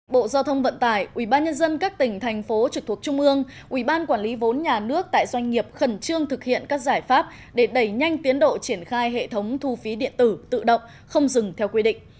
bộ giao thông vận tải ubnd các tỉnh thành phố trực thuộc trung ương ubnd quản lý vốn nhà nước tại doanh nghiệp khẩn trương thực hiện các giải pháp để đẩy nhanh tiến độ triển khai hệ thống thu phí điện tử tự động không dừng theo quy định